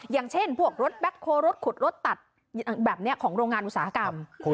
อย่างเช่นพวกรถแบ็คโฮรถขุดรถตัดแบบนี้ของโรงงานอุตสาหกรรม